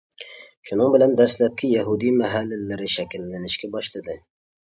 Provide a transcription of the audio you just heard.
شۇنىڭ بىلەن دەسلەپكى يەھۇدىي مەھەللىلىرى شەكىللىنىشكە باشلىدى.